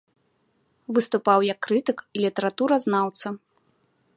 Выступаў як крытык і літаратуразнаўца.